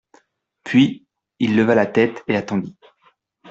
Puis il leva la tête et attendit.